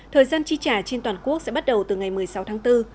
thời gian chi trả trên toàn quốc sẽ bắt đầu từ ngày một mươi sáu tháng bốn